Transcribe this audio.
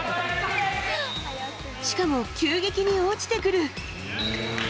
しかも急激に落ちてくる。